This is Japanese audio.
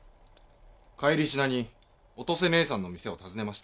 帰りしなにお登世ねえさんの店を訪ねました。